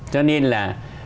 cho nên là